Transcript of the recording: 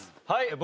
はい。